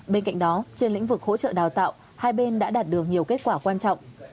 bên cạnh đó trên lĩnh vực hỗ trợ đào tạo hai bên đã đạt được nhiều kết quả quan trọng